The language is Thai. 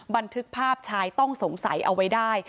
บันทึกภาพชายต้องสงสัยเอาไว้ได้